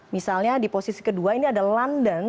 misalnya di posisi kedua ini ada london